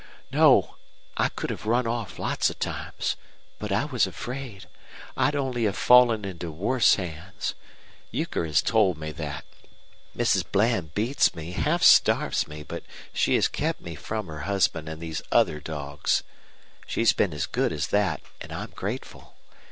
"No. I could have run off lots of times. But I was afraid. I'd only have fallen into worse hands. Euchre has told me that. Mrs. Bland beats me, half starves me, but she has kept me from her husband and these other dogs. She's been as good as that, and I'm grateful.